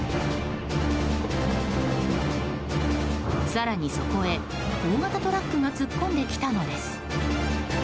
更にそこへ、大型トラックが突っ込んできたのです。